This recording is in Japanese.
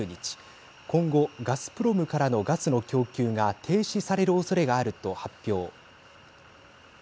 今後、ガスプロムからのガスの供給が停止されるおそれがあると発表。